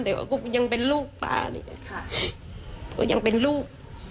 แต่ว่ายังเป็นลูกพายังเป็นลูก